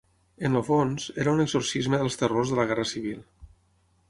En el fons, era un exorcisme dels terrors de la Guerra Civil.